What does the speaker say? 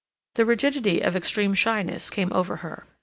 The rigidity of extreme shyness came over her.